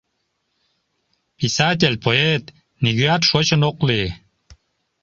Писатель, поэт нигӧат шочын ок лий.